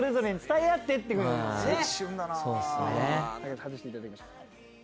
外していただきましょう。